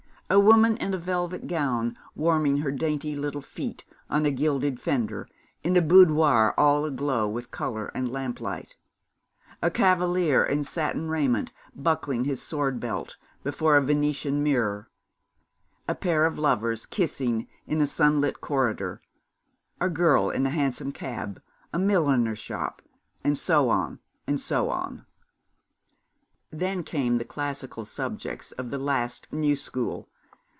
A woman in a velvet gown warming her dainty little feet on a gilded fender, in a boudoir all aglow with colour and lamplight; a cavalier in satin raiment buckling his sword belt before a Venetian mirror; a pair of lovers kissing in a sunlit corridor; a girl in a hansom cab; a milliner's shop; and so on, and so on. Then came the classical subjects of the last new school.